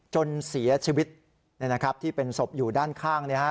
จนเสียชีวิตที่เป็นศพอยู่ด้านข้าง